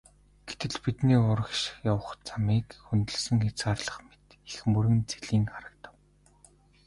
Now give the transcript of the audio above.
Гэтэл бидний урагш явах замыг хөндөлсөн хязгаарлах мэт их мөрөн цэлийн харагдав.